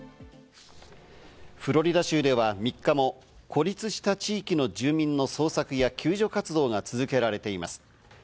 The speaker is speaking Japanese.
フロリダ州では３日も孤立した地域の住民の捜索や救助活動が続けられています。